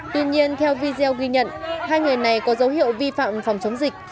tuy nhiên theo video ghi nhận hai người này có dấu hiệu vi phạm phòng chống dịch